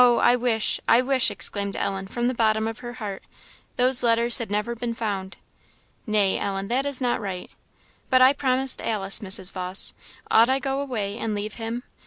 I wish I wish," exclaimed Ellen from the bottom of her heart, "those letters had never been found!" "Nay, Ellen, that is not right." "But I promised Alice, Mrs. Vawse; ought I go away and leave him?